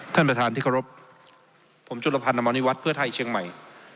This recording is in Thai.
ท่านประธานที่เคารพผมจุลพันธ์อมรณิวัฒน์เพื่อไทยเชียงใหม่